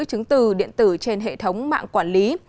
chứng từ điện tử trên hệ thống mạng quản lý